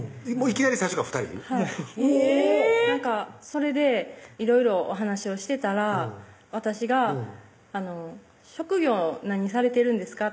それでいろいろお話をしてたら私が「職業何されてるんですか？」